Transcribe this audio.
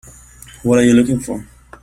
What are you looking for?